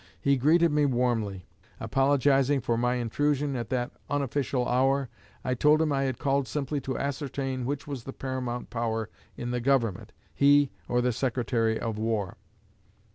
He greeted me warmly. Apologizing for my intrusion at that unofficial hour, I told him I had called simply to ascertain which was the paramount power in the Government, he or the Secretary of War.